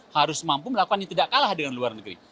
harus mampu melakukan yang tidak kalah dengan luar negeri